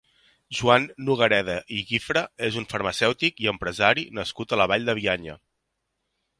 Joan Nogareda i Gifre és un farmacèutic i empresari nascut a la Vall de Bianya.